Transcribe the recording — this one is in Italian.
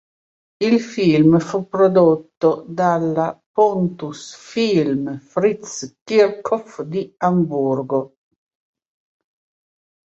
Il film fu prodotto dalla Pontus-Film Fritz Kirchhoff di Amburgo.